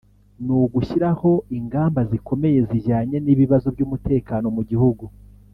ni ugushyiraho ingamba zikomeye zijyanye n’ibibazo by’umutekano mu gihugu